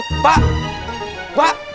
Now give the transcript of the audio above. nggak pengen lagi guna